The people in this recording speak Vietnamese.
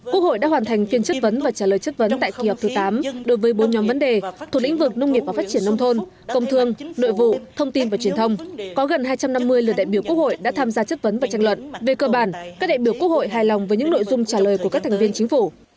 quốc hội đã hoàn thành phiên chất vấn và trả lời chất vấn tại kỳ họp thứ tám đối với bốn nhóm vấn đề thuộc lĩnh vực nông nghiệp và phát triển nông thôn công thương nội vụ thông tin và truyền thông có gần hai trăm năm mươi lượt đại biểu quốc hội đã tham gia chất vấn và tranh luận về cơ bản các đại biểu quốc hội hài lòng với những nội dung trả lời của các thành viên chính phủ